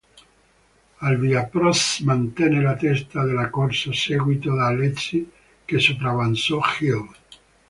Al via Prost mantenne la testa della corsa, seguito da Alesi che sopravanzò Hill.